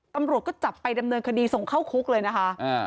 ตำรวจก็จับไปดำเนินคดีส่งเข้าคุกเลยนะคะ